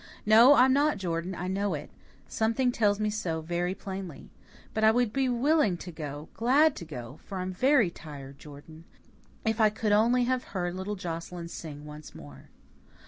No, I'm not, Jordan, I know it. Something tells me so very plainly. But I would be willing to go glad to go, for I'm very tired, Jordan if I could only have heard little Joscelyn sing once more."